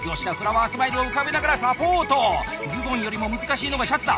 ズボンよりも難しいのがシャツだ。